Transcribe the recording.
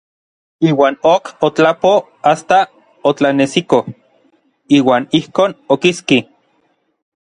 Iuan ok otlapoj asta otlanesiko; iuan ijkon okiski.